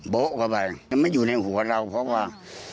โบ๊ะไปมันอยู่ในหัวเราเพราะว่า